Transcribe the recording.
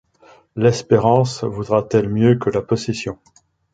L’espérance vaudrait-elle mieux que la possession?